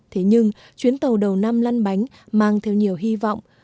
thế nhưng chuyến tàu đầu năm lăn bánh mang theo nhiều hy vọng